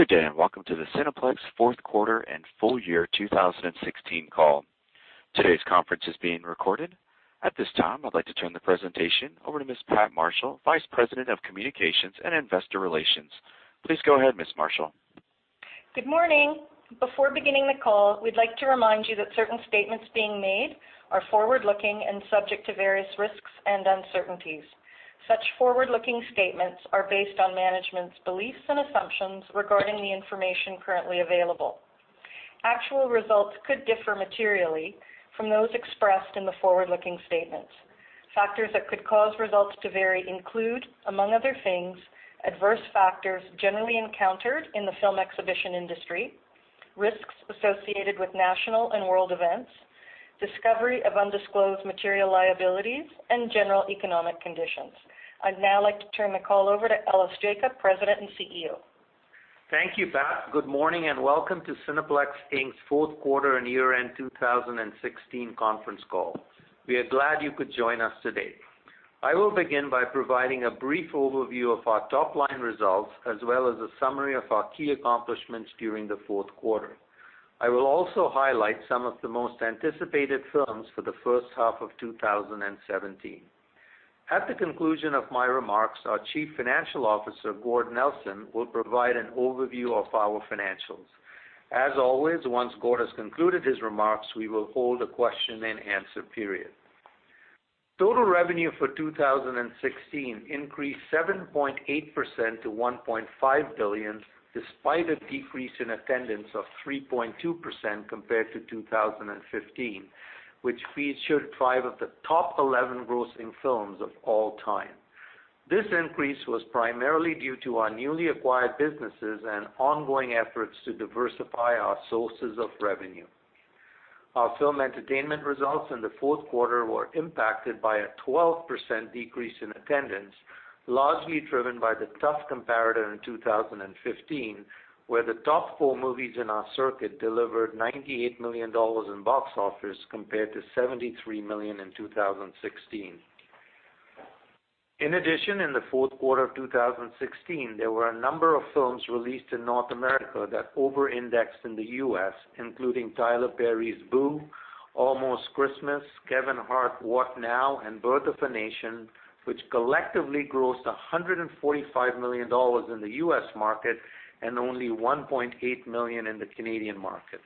Good day. Welcome to the Cineplex fourth quarter and full year 2016 call. Today's conference is being recorded. At this time, I'd like to turn the presentation over to Ms. Pat Marshall, Vice President of Communications and Investor Relations. Please go ahead, Ms. Marshall. Good morning. Before beginning the call, we'd like to remind you that certain statements being made are forward-looking and subject to various risks and uncertainties. Such forward-looking statements are based on management's beliefs and assumptions regarding the information currently available. Actual results could differ materially from those expressed in the forward-looking statements. Factors that could cause results to vary include, among other things, adverse factors generally encountered in the film exhibition industry, risks associated with national and world events, discovery of undisclosed material liabilities, and general economic conditions. I'd now like to turn the call over to Ellis Jacob, President and CEO. Thank you, Pat. Good morning. Welcome to Cineplex Inc.'s fourth quarter and year-end 2016 conference call. We are glad you could join us today. I will begin by providing a brief overview of our top-line results as well as a summary of our key accomplishments during the fourth quarter. I will also highlight some of the most anticipated films for the first half of 2017. At the conclusion of my remarks, our Chief Financial Officer, Gord Nelson, will provide an overview of our financials. As always, once Gord has concluded his remarks, we will hold a question-and-answer period. Total revenue for 2016 increased 7.8% to 1.5 billion, despite a decrease in attendance of 3.2% compared to 2015, which featured five of the top 11 grossing films of all time. This increase was primarily due to our newly acquired businesses and ongoing efforts to diversify our sources of revenue. Our film entertainment results in the fourth quarter were impacted by a 12% decrease in attendance, largely driven by the tough comparator in 2015, where the top four movies in our circuit delivered 98 million dollars in box office compared to 73 million in 2016. In addition, in the fourth quarter of 2016, there were a number of films released in North America that over-indexed in the U.S., including Tyler Perry's Boo!, Almost Christmas, Kevin Hart: What Now?, and The Birth of a Nation, which collectively grossed $145 million in the U.S. market and only 1.8 million in the Canadian market.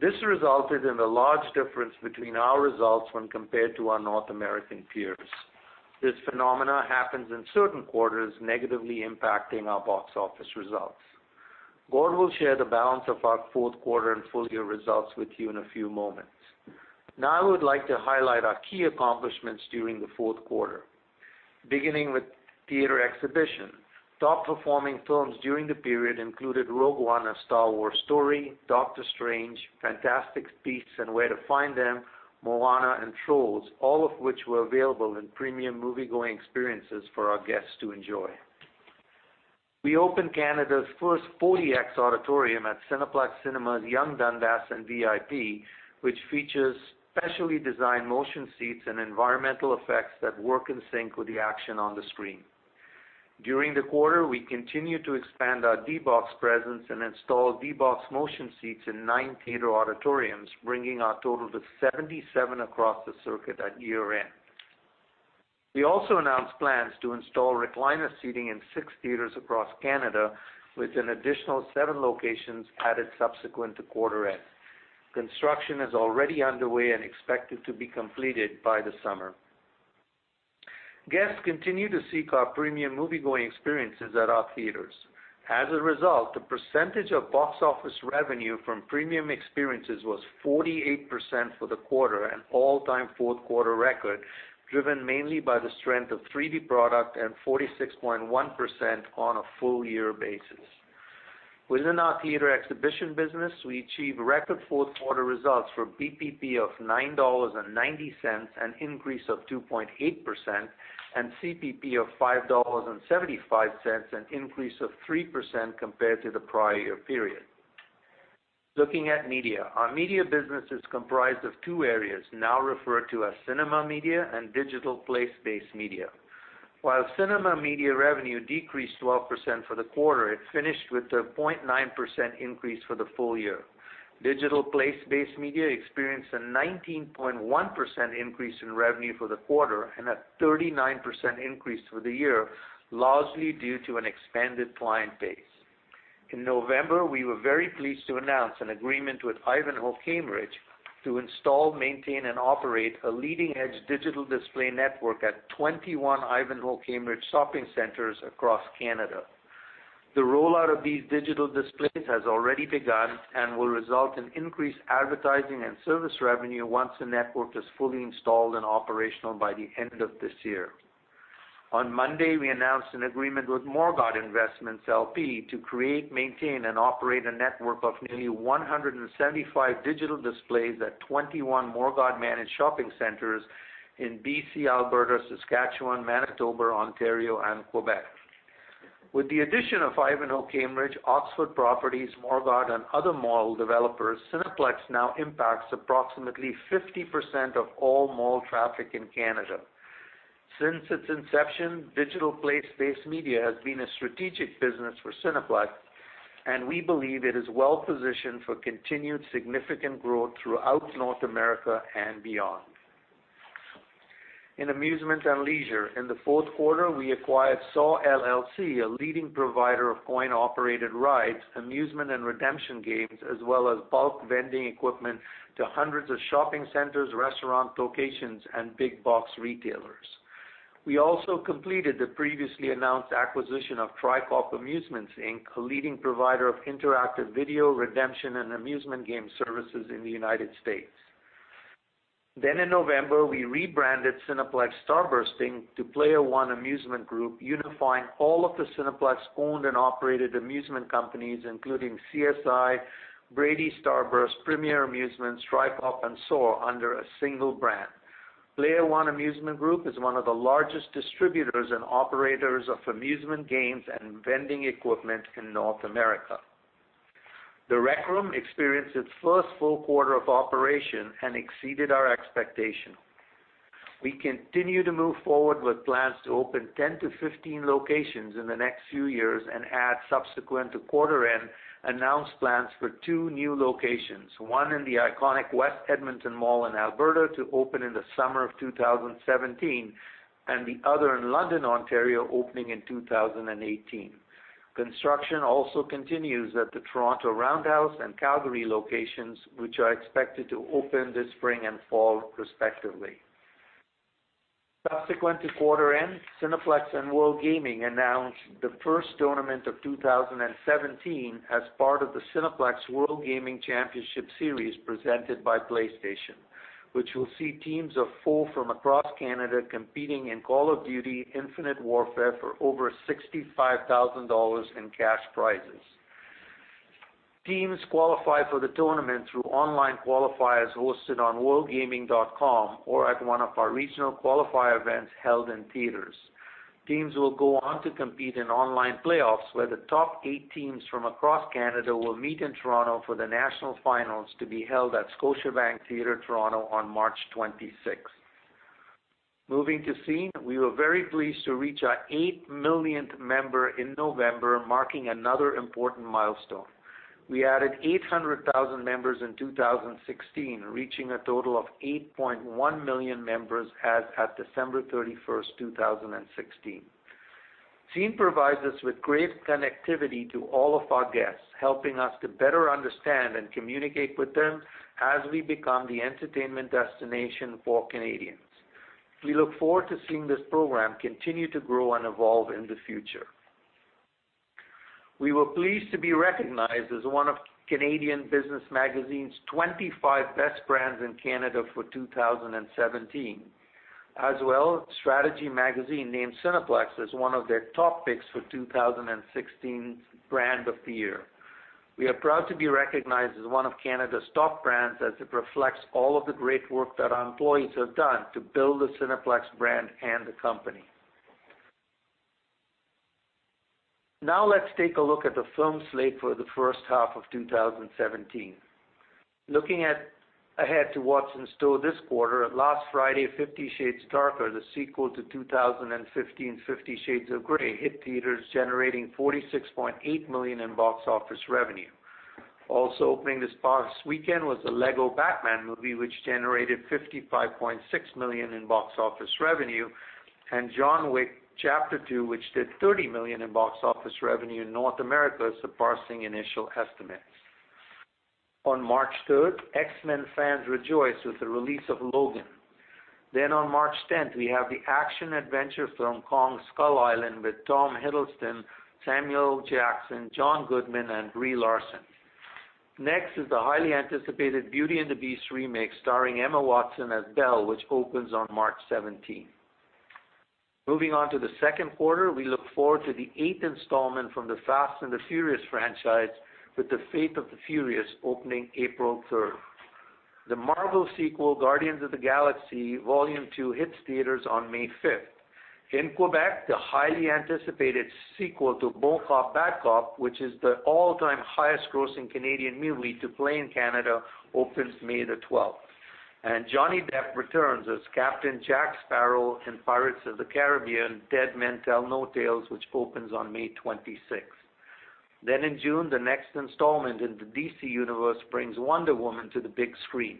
This resulted in a large difference between our results when compared to our North American peers. This phenomenon happens in certain quarters, negatively impacting our box office results. Gord will share the balance of our fourth quarter and full-year results with you in a few moments. Now I would like to highlight our key accomplishments during the fourth quarter. Beginning with theater exhibition. Top-performing films during the period included Rogue One: A Star Wars Story, Doctor Strange, Fantastic Beasts and Where to Find Them, Moana, and Trolls, all of which were available in premium moviegoing experiences for our guests to enjoy. We opened Canada's first 4DX auditorium at Cineplex Cinemas Yonge-Dundas and VIP, which features specially designed motion seats and environmental effects that work in sync with the action on the screen. During the quarter, we continued to expand our D-BOX presence and install D-BOX motion seats in nine theater auditoriums, bringing our total to 77 across the circuit at year-end. We also announced plans to install recliner seating in six theaters across Canada, with an additional seven locations added subsequent to quarter end. Construction is already underway and expected to be completed by the summer. Guests continue to seek our premium moviegoing experiences at our theaters. The percentage of box office revenue from premium experiences was 48% for the quarter, an all-time fourth-quarter record, driven mainly by the strength of 3D product, and 46.1% on a full-year basis. Within our theater exhibition business, we achieved record fourth-quarter results for BPP of 9.90 dollars, an increase of 2.8%, and CPP of 5.75 dollars, an increase of 3% compared to the prior year period. Looking at media. Our media business is comprised of two areas now referred to as cinema media and digital place-based media. While cinema media revenue decreased 12% for the quarter, it finished with a 0.9% increase for the full year. Digital place-based media experienced a 19.1% increase in revenue for the quarter and a 39% increase for the year, largely due to an expanded client base. In November, we were very pleased to announce an agreement with Ivanhoé Cambridge to install, maintain, and operate a leading-edge digital display network at 21 Ivanhoé Cambridge shopping centers across Canada. The rollout of these digital displays has already begun and will result in increased advertising and service revenue once the network is fully installed and operational by the end of this year. On Monday, we announced an agreement with Morguard Investments LP to create, maintain, and operate a network of nearly 175 digital displays at 21 Morguard-managed shopping centers in B.C., Alberta, Saskatchewan, Manitoba, Ontario, and Quebec. With the addition of Ivanhoé Cambridge, Oxford Properties, Morguard, and other mall developers, Cineplex now impacts approximately 50% of all mall traffic in Canada. Since its inception, Cineplex Digital Media has been a strategic business for Cineplex, and we believe it is well-positioned for continued significant growth throughout North America and beyond. In amusement and leisure, in the fourth quarter, we acquired SAW, LLC, a leading provider of coin-operated rides, amusement and redemption games, as well as bulk vending equipment to hundreds of shopping centers, restaurant locations, and big box retailers. We also completed the previously announced acquisition of Tricorp Amusements Inc., a leading provider of interactive video redemption and amusement game services in the U.S. In November, we rebranded Cineplex Starburst Inc. to Player One Amusement Group, unifying all of the Cineplex owned and operated amusement companies, including CSI, Brady Starburst, Premier Amusements, Tricorp, and SAW under a single brand. Player One Amusement Group is one of the largest distributors and operators of amusement games and vending equipment in North America. The Rec Room experienced its first full quarter of operation and exceeded our expectation. We continue to move forward with plans to open 10 to 15 locations in the next few years and add subsequent to quarter end announce plans for two new locations, one in the iconic West Edmonton Mall in Alberta to open in the summer of 2017, and the other in London, Ontario, opening in 2018. Construction also continues at the Toronto Roundhouse and Calgary locations, which are expected to open this spring and fall respectively. Subsequent to quarter end, Cineplex and WorldGaming announced the first tournament of 2017 as part of the Cineplex WorldGaming Championship Series presented by PlayStation, which will see teams of four from across Canada competing in Call of Duty: Infinite Warfare for over 65,000 dollars in cash prizes. Teams qualify for the tournament through online qualifiers hosted on worldgaming.com or at one of our regional qualifier events held in theaters. Teams will go on to compete in online playoffs, where the top eight teams from across Canada will meet in Toronto for the national finals to be held at Scotiabank Theatre Toronto on March 26th. Moving to Scene, we were very pleased to reach our 8 millionth member in November, marking another important milestone. We added 800,000 members in 2016, reaching a total of 8.1 million members as at December 31st, 2016. Scene provides us with great connectivity to all of our guests, helping us to better understand and communicate with them as we become the entertainment destination for Canadians. We look forward to seeing this program continue to grow and evolve in the future. We were pleased to be recognized as one of Canadian Business Magazine's 25 best brands in Canada for 2017. As well, Strategy Magazine named Cineplex as one of their top picks for 2016's brand of the year. We are proud to be recognized as one of Canada's top brands as it reflects all of the great work that our employees have done to build the Cineplex brand and the company. Now let's take a look at the film slate for the first half of 2017. Looking ahead to what's in store this quarter, last Friday, "Fifty Shades Darker," the sequel to 2015's "Fifty Shades of Grey," hit theaters, generating 46.8 million in box office revenue. Also opening this past weekend was "The Lego Batman Movie," which generated 55.6 million in box office revenue, and "John Wick: Chapter 2," which did 30 million in box office revenue in North America, surpassing initial estimates. On March 3rd, X-Men fans rejoiced with the release of "Logan." On March 10th, we have the action-adventure film "Kong: Skull Island" with Tom Hiddleston, Samuel Jackson, John Goodman, and Brie Larson. Next is the highly anticipated "Beauty and the Beast" remake starring Emma Watson as Belle, which opens on March 17th. Moving on to the second quarter, we look forward to the eighth installment from the "Fast & Furious" franchise with "The Fate of the Furious" opening April 3rd. The Marvel sequel, "Guardians of the Galaxy Vol. 2" hits theaters on May 5th. In Quebec, the highly anticipated sequel to "Bon Cop, Bad Cop," which is the all-time highest-grossing Canadian movie to play in Canada, opens May the 12th. Johnny Depp returns as Captain Jack Sparrow in "Pirates of the Caribbean: Dead Men Tell No Tales," which opens on May 26th. In June, the next installment in the DC Universe brings Wonder Woman to the big screen.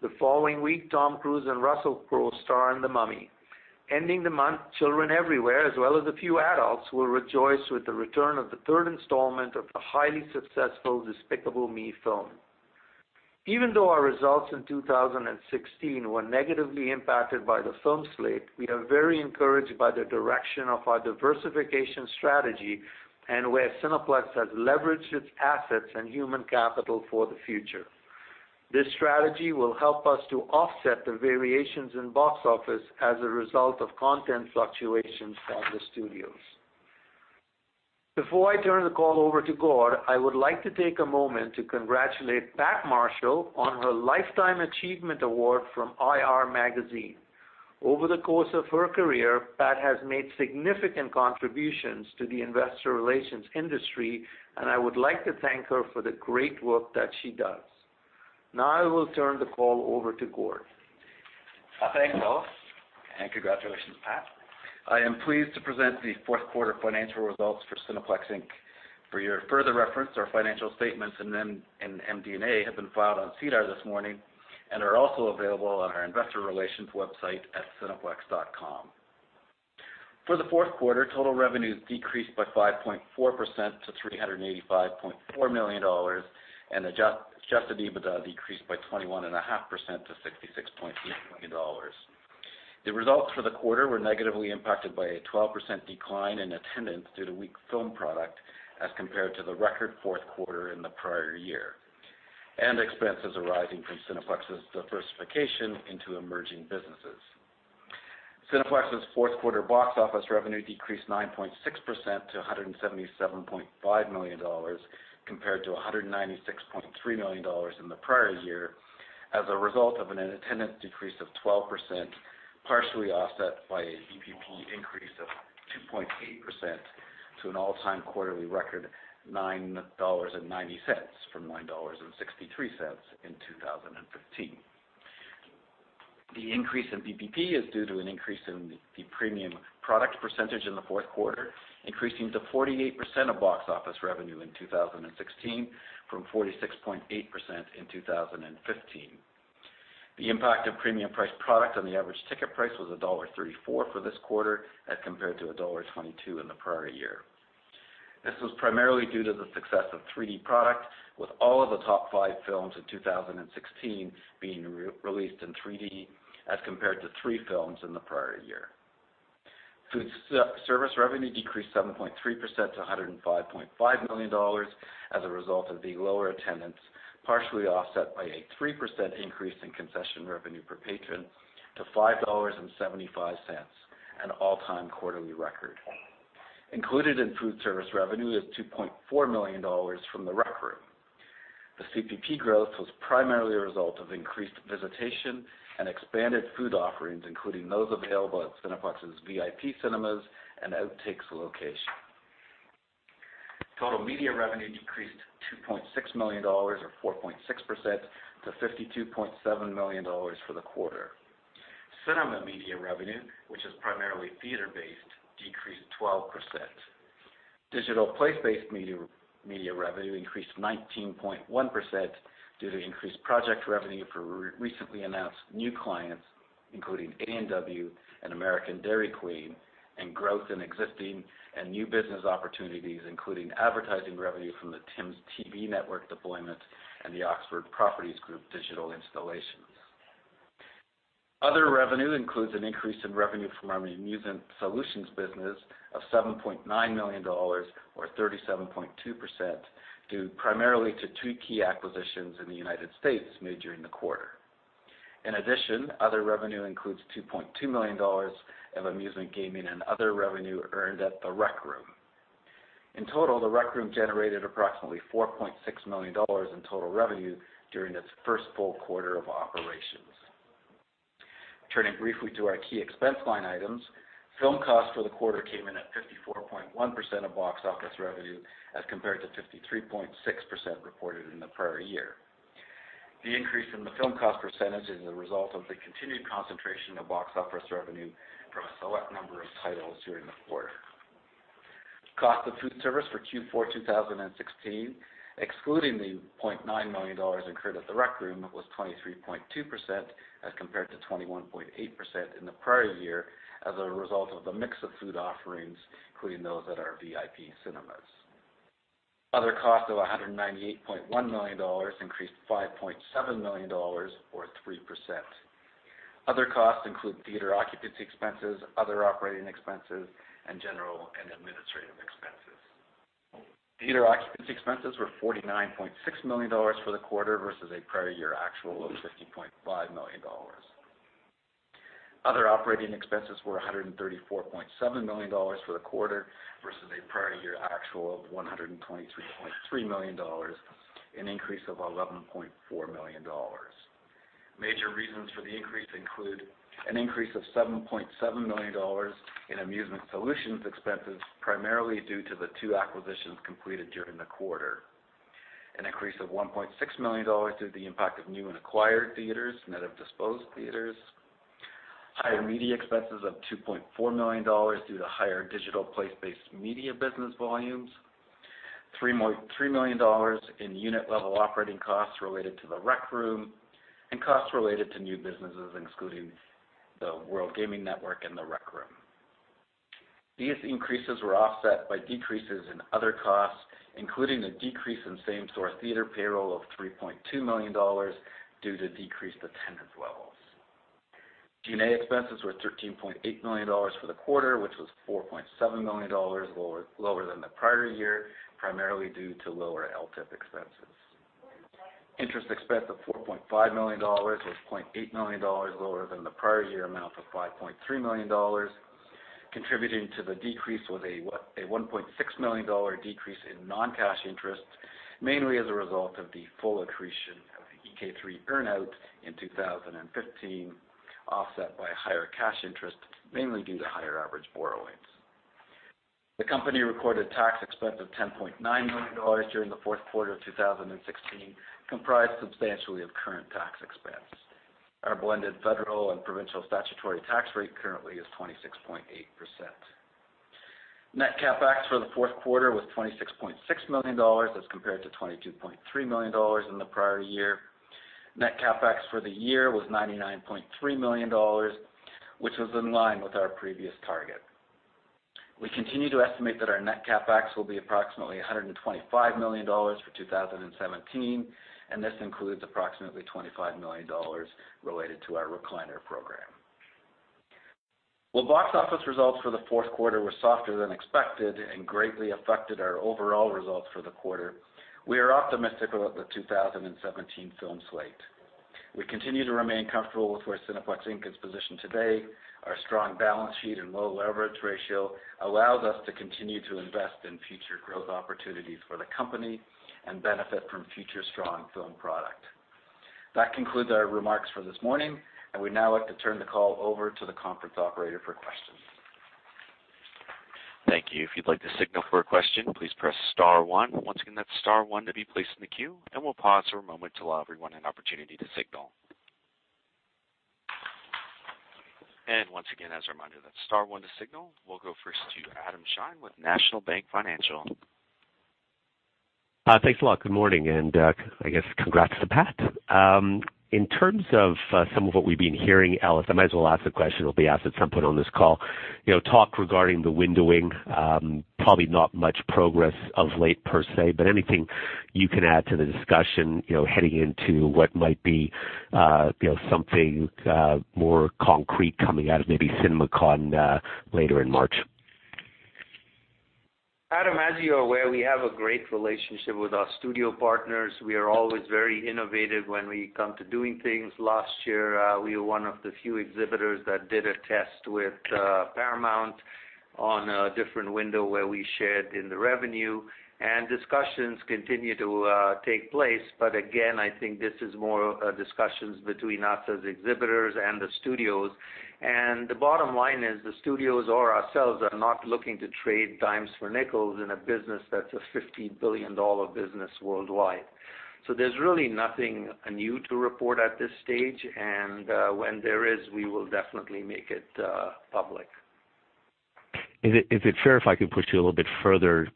The following week, Tom Cruise and Russell Crowe star in "The Mummy." Ending the month, children everywhere, as well as a few adults, will rejoice with the return of the third installment of the highly successful "Despicable Me" film. Even though our results in 2016 were negatively impacted by the film slate, we are very encouraged by the direction of our diversification strategy and where Cineplex has leveraged its assets and human capital for the future. This strategy will help us to offset the variations in box office as a result of content fluctuations from the studios. Before I turn the call over to Gord, I would like to take a moment to congratulate Pat Marshall on her Lifetime Achievement Award from IR Magazine. Thanks, Ellis, and congratulations, Pat. I am pleased to present the fourth quarter financial results for Cineplex Inc. For your further reference, our financial statements and MD&A have been filed on SEDAR this morning and are also available on our investor relations website at cineplex.com. For the fourth quarter, total revenues decreased by 5.4% to $385.4 million, and adjusted EBITDA decreased by 21.5% to $66.8 million. The results for the quarter were negatively impacted by a 12% decline in attendance due to weak film product as compared to the record fourth quarter in the prior year, and expenses arising from Cineplex's diversification into emerging businesses. Cineplex's fourth quarter box office revenue decreased 9.6% to 177.5 million dollars, compared to 196.3 million dollars in the prior year, as a result of an attendance decrease of 12%, partially offset by a BPP increase of 2.8% to an all-time quarterly record 9.90 dollars from 9.63 dollars in 2015. The increase in BPP is due to an increase in the premium product percentage in the fourth quarter, increasing to 48% of box office revenue in 2016 from 46.8% in 2015. The impact of premium priced product on the average ticket price was dollar 1.34 for this quarter as compared to dollar 1.22 in the prior year. This was primarily due to the success of 3D product, with all of the top five films in 2016 being released in 3D as compared to three films in the prior year. Food service revenue decreased 7.3% to 105.5 million dollars as a result of the lower attendance, partially offset by a 3% increase in concession revenue per patron to 5.75 dollars, an all-time quarterly record. Included in food service revenue is 2.4 million dollars from The Rec Room. The CPP growth was primarily a result of increased visitation and expanded food offerings, including those available at Cineplex's VIP Cinemas and Outtakes location. Total media revenue decreased 2.6 million dollars, or 4.6%, to 52.7 million dollars for the quarter. Cinema media revenue, which is primarily theater-based, decreased 12%. Digital place-based media revenue increased 19.1% due to increased project revenue for recently announced new clients, including A&W and American Dairy Queen, and growth in existing and new business opportunities, including advertising revenue from the TimsTV network deployment and the Oxford Properties Group digital installations. Other revenue includes an increase in revenue from our amusement solutions business of 7.9 million dollars, or 37.2%, due primarily to two key acquisitions in the U.S. made during the quarter. In addition, other revenue includes 2.2 million dollars of amusement gaming and other revenue earned at The Rec Room. In total, The Rec Room generated approximately 4.6 million dollars in total revenue during its first full quarter of operations. Turning briefly to our key expense line items, film cost for the quarter came in at 54.1% of box office revenue as compared to 53.6% reported in the prior year. The increase in the film cost percentage is the result of the continued concentration of box office revenue from a select number of titles during the quarter. Cost of food service for Q4 2016, excluding the 0.9 million dollars incurred at The Rec Room, was 23.2% as compared to 21.8% in the prior year as a result of the mix of food offerings, including those at our VIP Cinemas. Other costs of 198.1 million dollars increased 5.7 million dollars, or 3%. Other costs include theater occupancy expenses, other operating expenses, and general and administrative expenses. Theater occupancy expenses were 49.6 million dollars for the quarter versus a prior year actual of 50.5 million dollars. Other operating expenses were 134.7 million dollars for the quarter versus a prior year actual of 123.3 million dollars, an increase of 11.4 million dollars. Major reasons for the increase include an increase of 7.7 million dollars in amusement solutions expenses, primarily due to the two acquisitions completed during the quarter. An increase of 1.6 million dollars due to the impact of new and acquired theaters, net of disposed theaters. Higher media expenses of 2.4 million dollars due to higher digital place-based media business volumes, 33 million dollars in unit-level operating costs related to The Rec Room, and costs related to new businesses, including the WorldGaming Network and The Rec Room. These increases were offset by decreases in other costs, including a decrease in same-store theater payroll of 3.2 million dollars due to decreased attendance levels. G&A expenses were 13.8 million dollars for the quarter, which was 4.7 million dollars lower than the prior year, primarily due to lower LTIP expenses. Interest expense of 4.5 million dollars was 0.8 million dollars lower than the prior year amount of 5.3 million dollars. Contributing to the decrease was a 1.6 million dollar decrease in non-cash interest, mainly as a result of the full accretion of the EK3 earn-out in 2015, offset by higher cash interest, mainly due to higher average borrowings. The company recorded tax expense of 10.9 million dollars during the fourth quarter of 2016, comprised substantially of current tax expense. Our blended federal and provincial statutory tax rate currently is 26.8%. Net CapEx for the fourth quarter was 26.6 million dollars as compared to 22.3 million dollars in the prior year. Net CapEx for the year was 99.3 million dollars, which was in line with our previous target. We continue to estimate that our net CapEx will be approximately 125 million dollars for 2017, and this includes approximately 25 million dollars related to our recliner program. While box office results for the fourth quarter were softer than expected and greatly affected our overall results for the quarter, we are optimistic about the 2017 film slate. We continue to remain comfortable with where Cineplex Inc. is positioned today. Our strong balance sheet and low leverage ratio allows us to continue to invest in future growth opportunities for the company and benefit from future strong film product. That concludes our remarks for this morning, we'd now like to turn the call over to the conference operator for questions. Thank you. If you'd like to signal for a question, please press star one. Once again, that's star one to be placed in the queue, we'll pause for a moment to allow everyone an opportunity to signal. Once again, as a reminder, that's star one to signal. We'll go first to Adam Shine with National Bank Financial. Thanks a lot. Good morning, I guess congrats to Pat. In terms of some of what we've been hearing, Ellis, I might as well ask the question. It'll be asked at some point on this call. Talk regarding the windowing, probably not much progress of late per se, anything you can add to the discussion heading into what might be something more concrete coming out of maybe CinemaCon later in March? Adam, as you are aware, we have a great relationship with our studio partners. We are always very innovative when we come to doing things. Last year, we were one of the few exhibitors that did a test with Paramount on a different window where we shared in the revenue, and discussions continue to take place. Again, I think this is more discussions between us as exhibitors and the studios. The bottom line is the studios or ourselves are not looking to trade dimes for nickels in a business that's a 50 billion dollar business worldwide. There's really nothing new to report at this stage, and when there is, we will definitely make it public. Is it fair if I could push you a little bit further?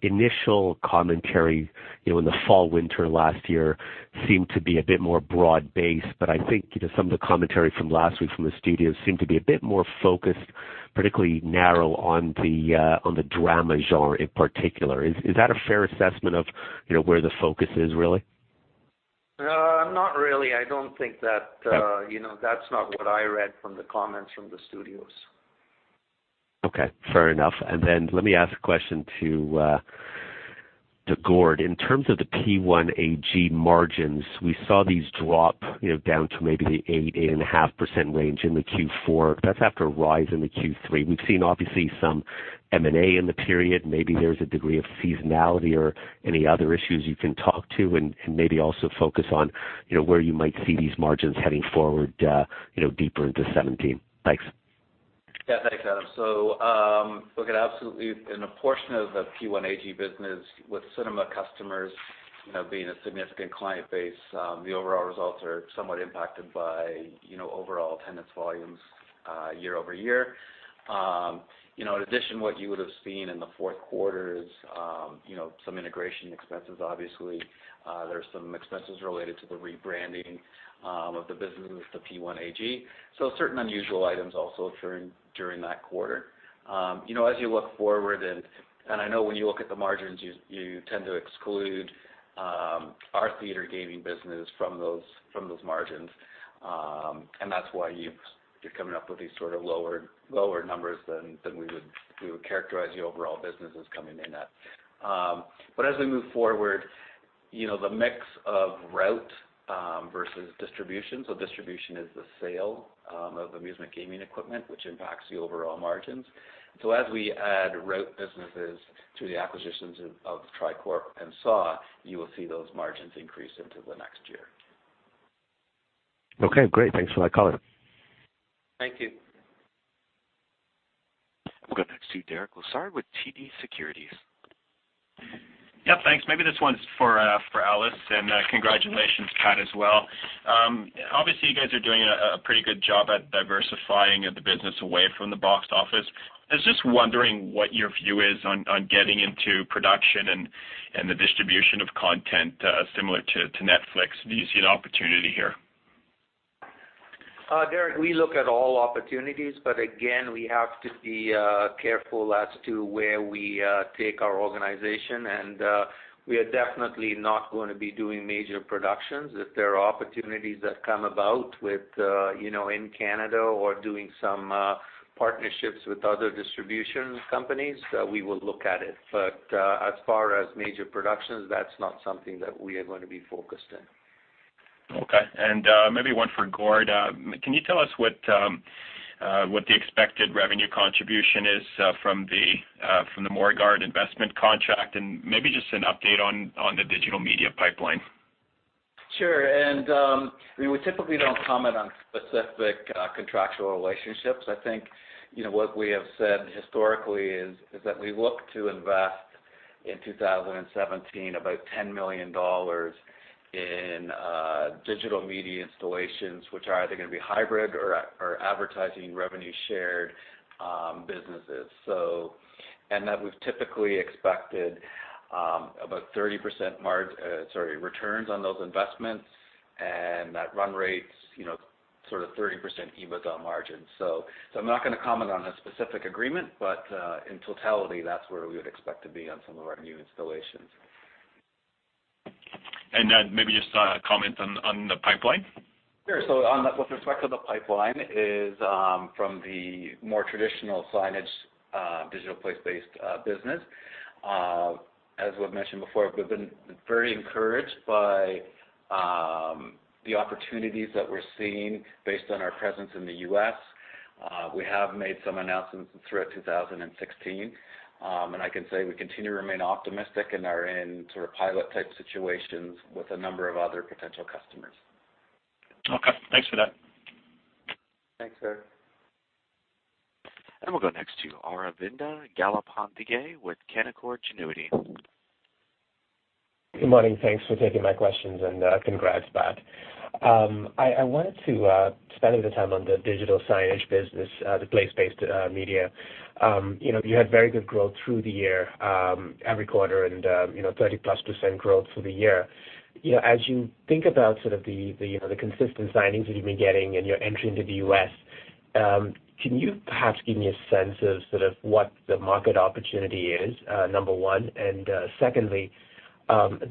Initial commentary in the fall, winter last year seemed to be a bit more broad-based, I think some of the commentary from last week from the studios seemed to be a bit more focused, particularly narrow on the drama genre in particular. Is that a fair assessment of where the focus is, really? Not really. I don't think that's what I read from the comments from the studios. Okay, fair enough. Then let me ask a question to Gord. In terms of the P1AG margins, we saw these drop down to maybe the 8%-8.5% range in the Q4. That's after a rise in the Q3. We've seen obviously some M&A in the period. There's a degree of seasonality or any other issues you can talk to and maybe also focus on where you might see these margins heading forward deeper into 2017. Thanks. Thanks, Adam. Absolutely, in a portion of the P1AG business with cinema customers being a significant client base, the overall results are somewhat impacted by overall attendance volumes year-over-year. In addition, what you would've seen in the fourth quarter is some integration expenses, obviously. There's some expenses related to the rebranding of the business with the P1AG. Certain unusual items also during that quarter. As you look forward, and I know when you look at the margins, you tend to exclude our theater gaming business from those margins, and that's why you're coming up with these sort of lower numbers than we would characterize the overall businesses coming in at. As we move forward, the mix of route versus distribution is the sale of amusement gaming equipment, which impacts the overall margins. As we add route businesses to the acquisitions of Tricorp and SAW, you will see those margins increase into the next year. Great. Thanks for that color. Thank you. We'll go next to Derek Lessard with TD Securities. Yeah, thanks. Maybe this one's for Ellis, and congratulations, Pat, as well. Obviously, you guys are doing a pretty good job at diversifying the business away from the box office. I was just wondering what your view is on getting into production and the distribution of content similar to Netflix. Do you see an opportunity here? Deric, we look at all opportunities, but again, we have to be careful as to where we take our organization, and we are definitely not going to be doing major productions. If there are opportunities that come about in Canada or doing some partnerships with other distribution companies, we will look at it. As far as major productions, that's not something that we are going to be focused in. Okay. Maybe one for Gord. Can you tell us what the expected revenue contribution is from the Morguard investment contract, and maybe just an update on the digital media pipeline? Sure. We typically don't comment on specific contractual relationships. I think what we have said historically is that we look to invest in 2017 about 10 million dollars in digital media installations, which are either going to be hybrid or advertising revenue-shared businesses. That we've typically expected about 30% returns on those investments and at run rates, sort of 30% EBITDA margins. I'm not going to comment on a specific agreement, but in totality, that's where we would expect to be on some of our new installations. Maybe just a comment on the pipeline. Sure. With respect to the pipeline is from the more traditional signage digital place-based business. As we've mentioned before, we've been very encouraged by the opportunities that we're seeing based on our presence in the U.S. We have made some announcements throughout 2016. I can say we continue to remain optimistic and are in sort of pilot-type situations with a number of other potential customers. Okay. Thanks for that. Thanks, Gord. We'll go next to Aravinda Galappatthige with Canaccord Genuity. Good morning. Thanks for taking my questions and congrats, Pat. I wanted to spend the time on the digital signage business, the place-based media. You had very good growth through the year, every quarter and 30+% growth for the year. As you think about sort of the consistent signings that you've been getting and your entry into the U.S., can you perhaps give me a sense of sort of what the market opportunity is, number one? Secondly,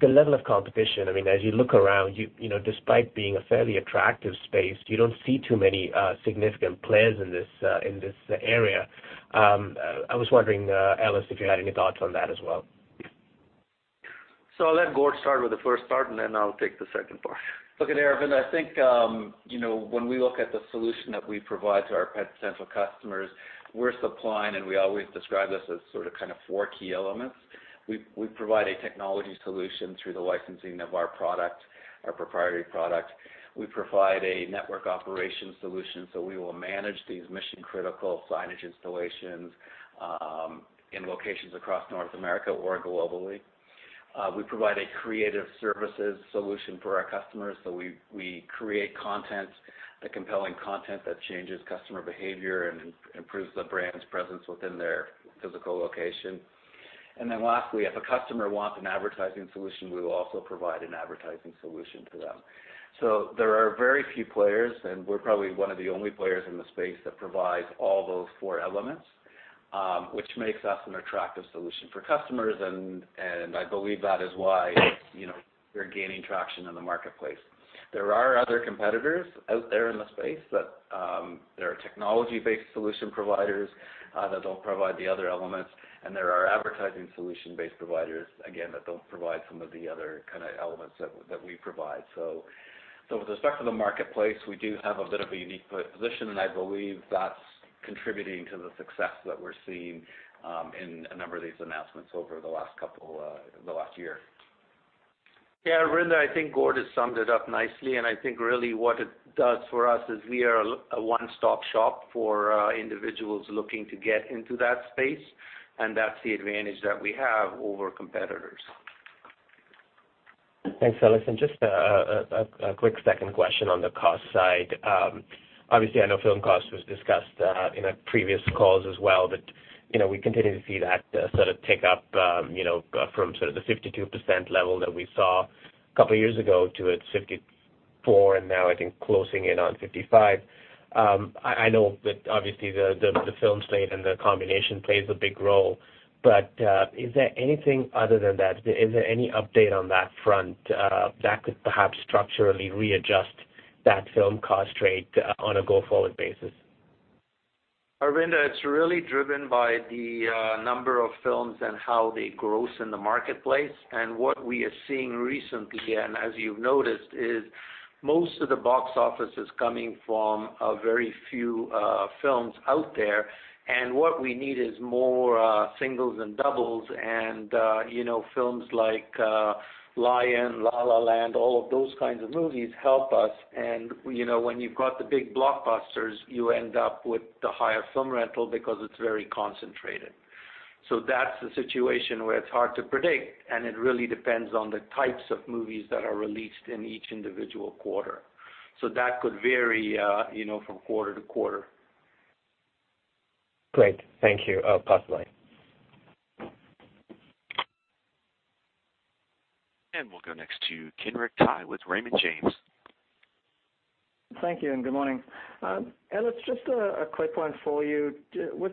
the level of competition. I mean, as you look around, despite being a fairly attractive space, you don't see too many significant players in this area. I was wondering, Ellis, if you had any thoughts on that as well. I'll let Gord start with the first part, and then I'll take the second part. Look, Aravinda, I think when we look at the solution that we provide to our potential customers, we're supplying, we always describe this as sort of four key elements. We provide a technology solution through the licensing of our product, our proprietary product. We provide a network operation solution, so we will manage these mission-critical signage installations in locations across North America or globally. We provide a creative services solution for our customers. We create content, the compelling content that changes customer behavior and improves the brand's presence within their physical location. Lastly, if a customer wants an advertising solution, we will also provide an advertising solution to them. There are very few players, and we're probably one of the only players in the space that provides all those four elements, which makes us an attractive solution for customers. I believe that is why we're gaining traction in the marketplace. There are other competitors out there in the space that there are technology-based solution providers that don't provide the other elements, and there are advertising solution-based providers, again, that don't provide some of the other elements that we provide. With respect to the marketplace, we do have a bit of a unique position, and I believe that's contributing to the success that we're seeing in a number of these announcements over the last year. Yeah, Aravinda, I think Gord has summed it up nicely. I think really what it does for us is we are a one-stop shop for individuals looking to get into that space, and that's the advantage that we have over competitors. Thanks, Ellis. Just a quick second question on the cost side. Obviously, I know film cost was discussed in previous calls as well, but we continue to see that sort of tick up from sort of the 52% level that we saw a couple years ago to at 54% and now I think closing in on 55%. I know that obviously the film slate and the combination plays a big role, but is there anything other than that? Is there any update on that front that could perhaps structurally readjust that film cost rate on a go-forward basis? Aravinda, it is really driven by the number of films and how they gross in the marketplace. What we are seeing recently, and as you have noticed, is most of the box office is coming from a very few films out there. What we need is more singles and doubles and films like "Lion," "La La Land," all of those kinds of movies help us. When you have got the big blockbusters, you end up with the higher film rental because it is very concentrated. That is the situation where it is hard to predict, and it really depends on the types of movies that are released in each individual quarter. That could vary from quarter to quarter. Great. Thank you. I will pass the line. We will go next to Kenric Tai with Raymond James. Thank you, and good morning. Ellis, just a quick one for you. With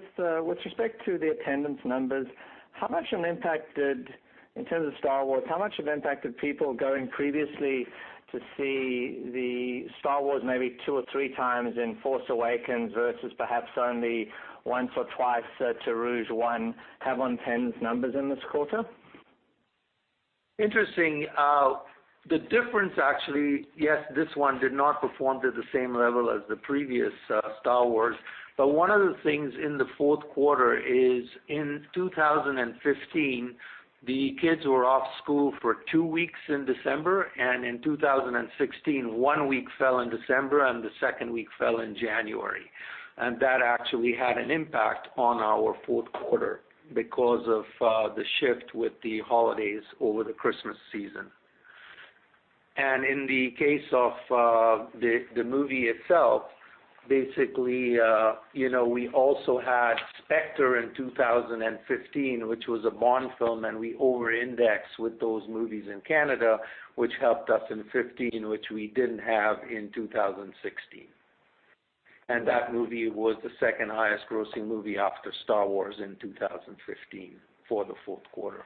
respect to the attendance numbers, in terms of "Star Wars," how much of an impact did people going previously to see the "Star Wars" maybe two or three times in "Force Awakens" versus perhaps only once or twice to "Rogue One" have on attendance numbers in this quarter? Interesting. The difference actually, yes, this one did not perform to the same level as the previous "Star Wars." One of the things in the fourth quarter is in 2015, the kids were off school for 2 weeks in December, and in 2016, 1 week fell in December and the second week fell in January. That actually had an impact on our fourth quarter because of the shift with the holidays over the Christmas season. In the case of the movie itself, basically we also had "Spectre" in 2015, which was a Bond film, and we over-indexed with those movies in Canada, which helped us in 2015, which we didn't have in 2016. That movie was the second highest grossing movie after "Star Wars" in 2015 for the fourth quarter.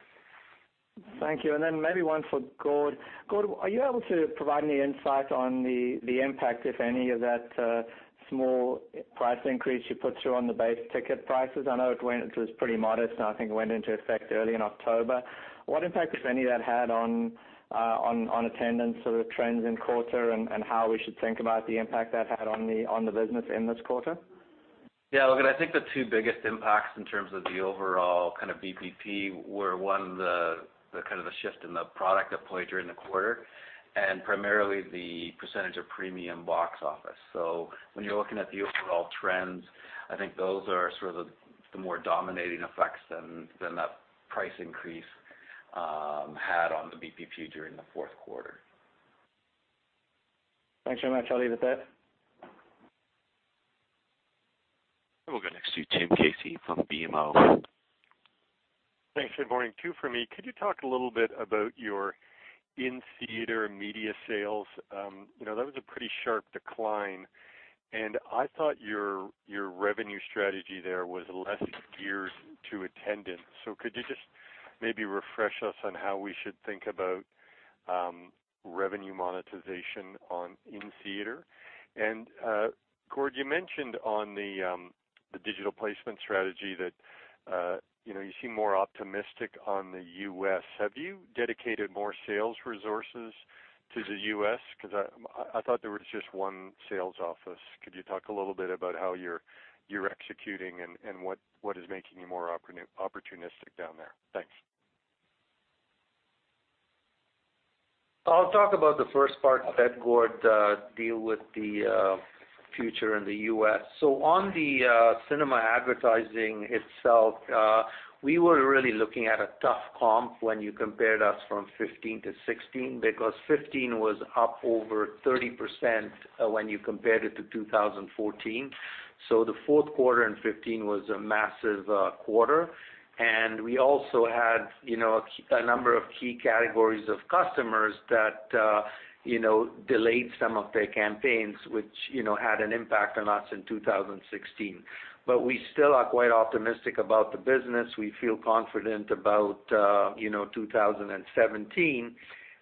Thank you. Then maybe one for Gord. Gord, are you able to provide any insight on the impact, if any, of that small price increase you put through on the base ticket prices? I know it was pretty modest, and I think it went into effect early in October. What impact, if any, that had on attendance sort of trends in quarter and how we should think about the impact that had on the business in this quarter? Look, I think the 2 biggest impacts in terms of the overall kind of BPP were, 1, the shift in the product deployed during the quarter, and primarily the percentage of premium box office. When you're looking at the overall trends, I think those are sort of the more dominating effects than that price increase had on the BPP during the fourth quarter. Thanks very much. I'll leave it at that. We'll go next to Tim Casey from BMO. Thanks. Good morning. Two from me. Could you talk a little bit about your in-theater media sales? That was a pretty sharp decline, and I thought your revenue strategy there was less geared to attendance. Could you just maybe refresh us on how we should think about revenue monetization on in-theater? Gord, you mentioned on the digital placement strategy that you seem more optimistic on the U.S. Have you dedicated more sales resources to the U.S.? Because I thought there was just one sales office. Could you talk a little bit about how you're executing and what is making you more opportunistic down there? Thanks. I'll talk about the first part, then Gord deal with the future in the U.S. On the cinema advertising itself, we were really looking at a tough comp when you compared us from 2015 to 2016, because 2015 was up over 30% when you compared it to 2014. The fourth quarter in 2015 was a massive quarter. We also had a number of key categories of customers that delayed some of their campaigns, which had an impact on us in 2016. We still are quite optimistic about the business. We feel confident about 2017.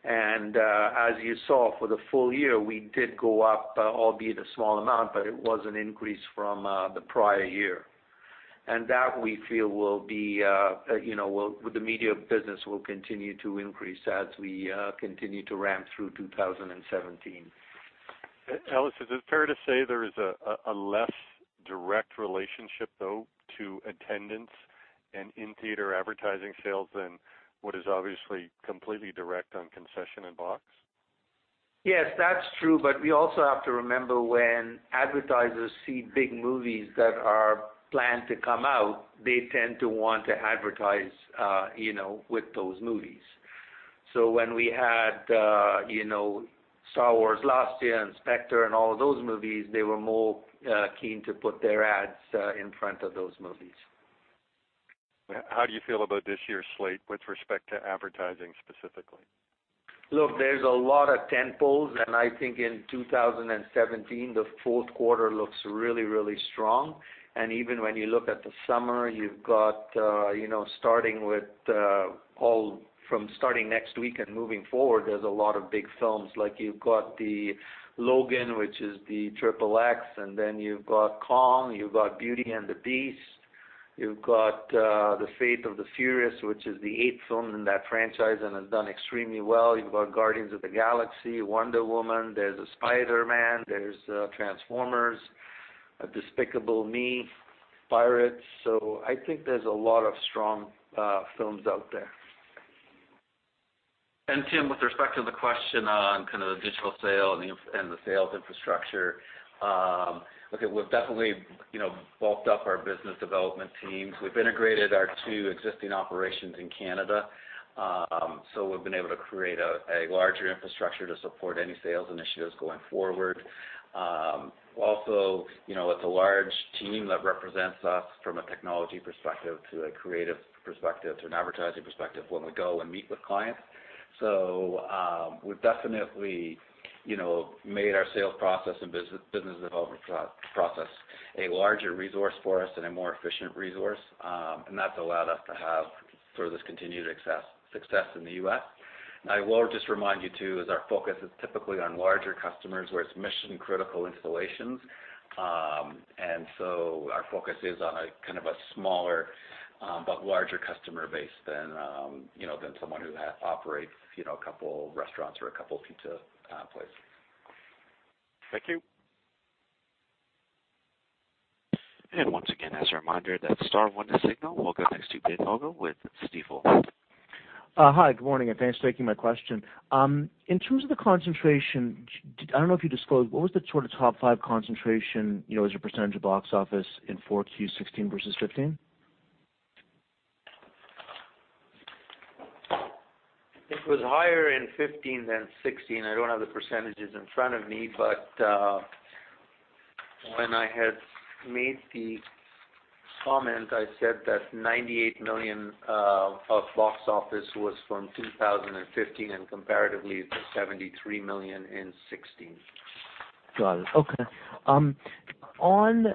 As you saw for the full year, we did go up, albeit a small amount, but it was an increase from the prior year. That we feel with the media business, will continue to increase as we continue to ramp through 2017. Ellis, is it fair to say there is a less direct relationship, though, to attendance and in-theater advertising sales than what is obviously completely direct on concession and box? Yes, that's true, but we also have to remember when advertisers see big movies that are planned to come out, they tend to want to advertise with those movies. When we had "Star Wars: The Last Jedi" and "Spectre" and all of those movies, they were more keen to put their ads in front of those movies. How do you feel about this year's slate with respect to advertising specifically? Look, there's a lot of tentpoles. I think in 2017, the fourth quarter looks really strong. Even when you look at the summer, from starting next week and moving forward, there's a lot of big films. Like you've got the "Logan" which is the XXX, you've got "Kong," you've got "Beauty and the Beast," you've got "The Fate of the Furious," which is the eighth film in that franchise and has done extremely well. You've got "Guardians of the Galaxy," "Wonder Woman," there's a "Spider-Man," there's "Transformers," "Despicable Me," "Pirates." I think there's a lot of strong films out there. Tim, with respect to the question on kind of the digital sale and the sales infrastructure, look, we've definitely bulked up our business development teams. We've integrated our two existing operations in Canada. We've been able to create a larger infrastructure to support any sales initiatives going forward. Also, it's a large team that represents us from a technology perspective to a creative perspective, to an advertising perspective when we go and meet with clients. We've definitely made our sales process and business development process a larger resource for us and a more efficient resource. That's allowed us to have sort of this continued success in the U.S. I will just remind you, too, is our focus is typically on larger customers where it's mission-critical installations. Our focus is on a kind of a smaller but larger customer base than someone who operates a couple of restaurants or a couple of pizza places. Thank you. Once again, as a reminder, that's star one to signal. We'll go next to Ben Thogo with Stifel. Hi, good morning, and thanks for taking my question. In terms of the concentration, I don't know if you disclosed, what was the sort of top five concentration, as a % of box office in 4Q16 versus 2015? It was higher in 2015 than 2016. I don't have the percentages in front of me, but when I had made the comment, I said that 98 million of box office was from 2015, and comparatively, it was 73 million in 2016. Got it. Okay. On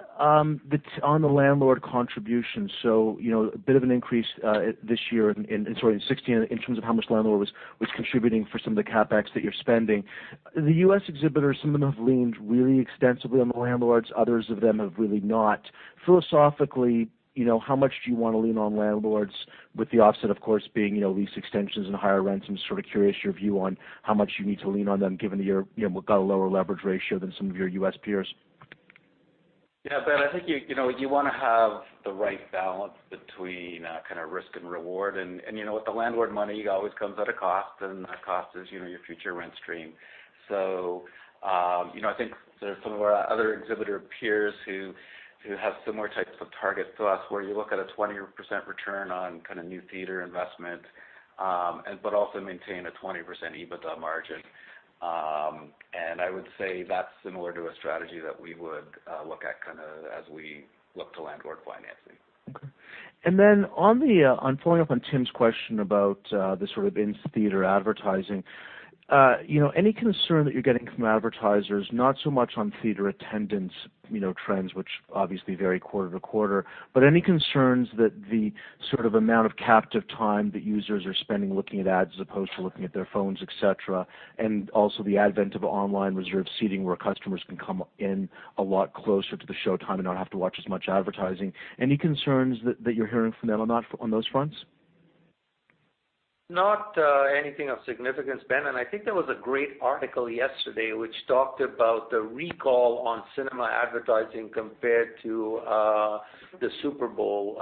the landlord contribution, a bit of an increase this year in, sorry, in 2016, in terms of how much landlord was contributing for some of the CapEx that you're spending. The U.S. exhibitors, some of them have leaned really extensively on the landlords, others of them have really not. Philosophically, how much do you want to lean on landlords with the offset, of course, being lease extensions and higher rents? I'm sort of curious your view on how much you need to lean on them given you've got a lower leverage ratio than some of your U.S. peers. Yeah. Ben, I think you want to have the right balance between risk and reward. With the landlord money, it always comes at a cost, and that cost is your future rent stream. I think there are some of our other exhibitor peers who have similar types of targets to us, where you look at a 20% return on new theater investment but also maintain a 20% EBITDA margin. I would say that's similar to a strategy that we would look at as we look to landlord financing. Okay. Following up on Tim's question about the sort of in-theater advertising. Any concern that you're getting from advertisers, not so much on theater attendance trends, which obviously vary quarter to quarter, but any concerns that the sort of amount of captive time that users are spending looking at ads as opposed to looking at their phones, et cetera, and also the advent of online reserved seating where customers can come in a lot closer to the showtime and not have to watch as much advertising. Any concerns that you're hearing from them on those fronts? Not anything of significance, Ben. I think there was a great article yesterday which talked about the recall on cinema advertising compared to the Super Bowl,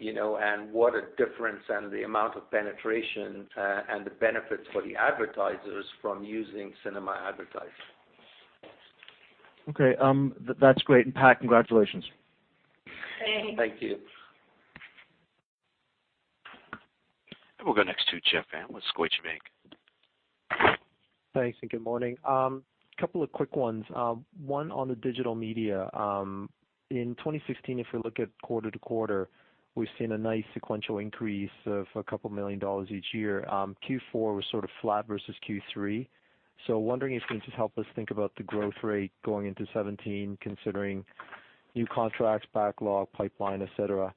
and what a difference, and the amount of penetration, and the benefits for the advertisers from using cinema advertising. Okay. That's great. Pat, congratulations. Thanks. Thank you. We'll go next to Jeff Van with Scotiabank. Thanks, and good morning. Couple of quick ones. One on the digital media. In 2016, if we look at quarter to quarter, we've seen a nice sequential increase of a couple million dollars each year. Q4 was sort of flat versus Q3. Wondering if you can just help us think about the growth rate going into 2017, considering new contracts, backlog, pipeline, et cetera.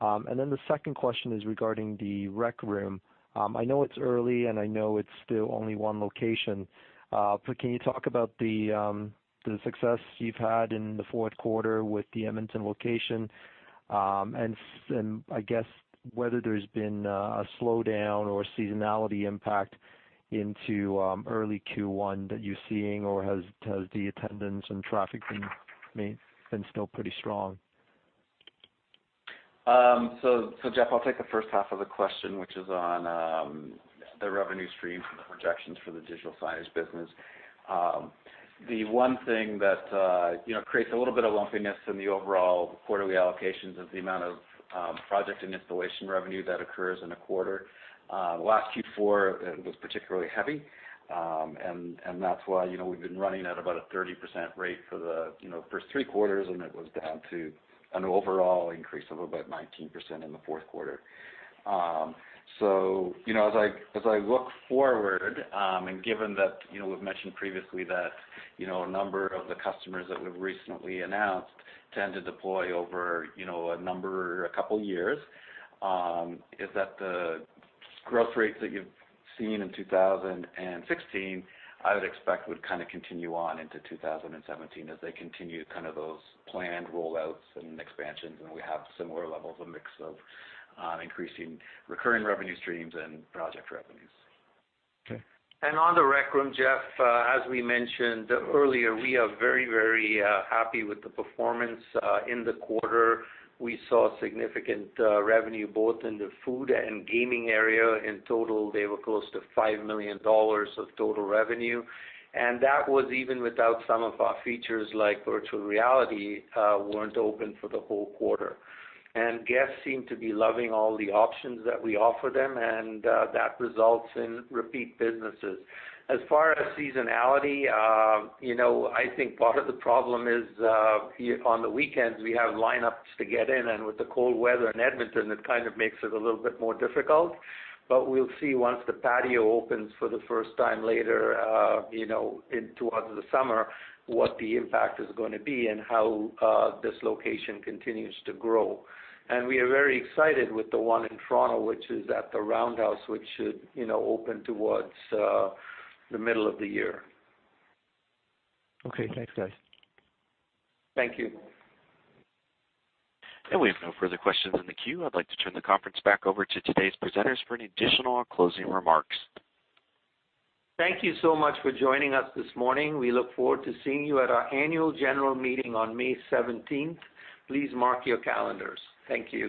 The second question is regarding The Rec Room. I know it's early, and I know it's still only one location, can you talk about the success you've had in the fourth quarter with the Edmonton location? I guess whether there's been a slowdown or seasonality impact into early Q1 that you're seeing, or has the attendance and traffic been still pretty strong? Jeff, I'll take the first half of the question, which is on the revenue streams and the projections for the digital signage business. The one thing that creates a little bit of lumpiness in the overall quarterly allocations is the amount of project and installation revenue that occurs in a quarter. Last Q4 was particularly heavy, that's why we've been running at about a 30% rate for the first three quarters, it was down to an overall increase of about 19% in the fourth quarter. As I look forward, given that we've mentioned previously that a number of the customers that we've recently announced tend to deploy over a number, a couple years, is that the growth rates that you've seen in 2016, I would expect would kind of continue on into 2017 as they continue those planned rollouts and expansions, we have similar levels of mix of increasing recurring revenue streams and project revenues. Okay. On The Rec Room, Jeff, as we mentioned earlier, we are very happy with the performance in the quarter. We saw significant revenue both in the food and gaming area. In total, they were close to 5 million dollars of total revenue. That was even without some of our features like virtual reality weren't open for the whole quarter. Guests seem to be loving all the options that we offer them, that results in repeat businesses. As far as seasonality, I think part of the problem is on the weekends, we have lineups to get in, with the cold weather in Edmonton, it kind of makes it a little bit more difficult. We'll see once the patio opens for the first time later towards the summer, what the impact is going to be and how this location continues to grow. We are very excited with the one in Toronto, which is at the Roundhouse, which should open towards the middle of the year. Okay. Thanks, guys. Thank you. We have no further questions in the queue. I'd like to turn the conference back over to today's presenters for any additional closing remarks. Thank you so much for joining us this morning. We look forward to seeing you at our annual general meeting on May 17th. Please mark your calendars. Thank you.